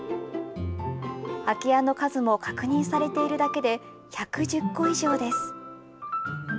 空き家の数も確認されているだけで、１１０戸以上です。